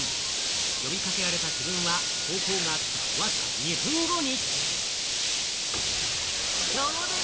呼び掛けられた紀文は、投稿があったわずか２分後に。